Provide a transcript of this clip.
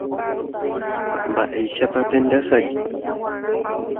mba'éichapa pendeasaje